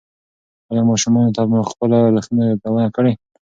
ایا ماشومانو ته مو د خپلو ارزښتونو یادونه کړې؟